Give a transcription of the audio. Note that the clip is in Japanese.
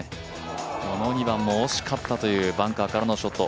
２番も惜しかったというバンカーからのショット。